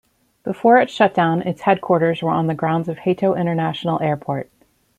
Before its shutdown its headquarters were on the grounds of Hato International Airport.